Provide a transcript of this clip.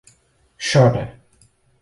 Chora